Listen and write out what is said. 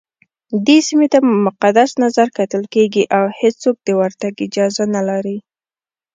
دې سيمي ته په مقدس نظرکتل کېږي اوهيڅوک دورتګ اجازه نه لري